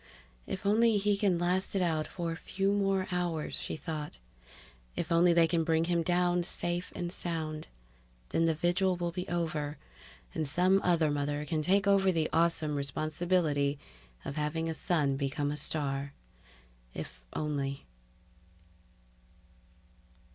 If only he can last it out for a few more hours, she thought. If only they can bring him down safe and sound. Then the vigil will be over, and some other mother can take over the awesome responsibility of having a son become a star If only